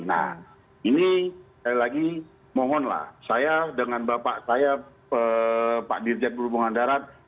nah ini sekali lagi mohonlah saya dengan bapak saya pak dirjen perhubungan darat